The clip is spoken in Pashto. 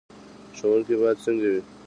ښوونکی باید څنګه وي؟